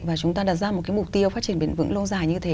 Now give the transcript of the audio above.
và chúng ta đặt ra một mục tiêu phát triển bền vững lâu dài như thế